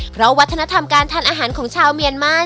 เพราะวัฒนธรรมการทานอาหารของชาวเมียนมา